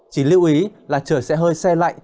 chỉ lưu ý là trời sẽ hơi xe lạnh